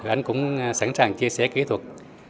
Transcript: anh cũng sẵn sàng chia sẻ kỹ thuật